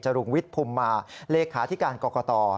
จรุงวิทธิ์ภูมิมาเลขาที่การกรกต่อ